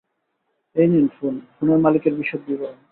এই নিন ফোন এবং ফোনের মালিকের বিশদ বিবরণ।